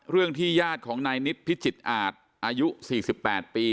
ที่ญาติของนายนิดพิจิตรอาจอายุ๔๘ปี